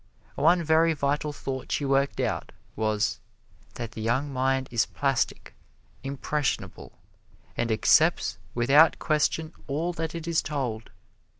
One very vital thought she worked out was, that the young mind is plastic, impressionable and accepts without question all that it is told.